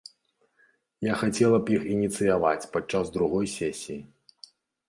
Я хацела б іх ініцыяваць падчас другой сесіі.